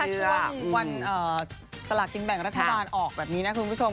ช่วงวันสลากินแบ่งรัฐบาลออกแบบนี้นะคุณผู้ชม